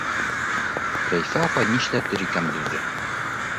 — Рәйфә апай нишләтер икән беҙҙе?!